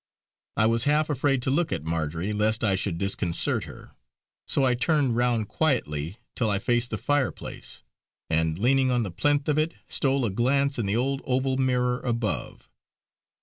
I was half afraid to look at Marjory lest I should disconcert her; so I turned round quietly till I faced the fireplace, and leaning on the plinth of it stole a glance in the old oval mirror above.